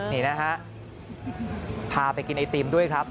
นี่นะฮะพาไปกินไอติมด้วยครับ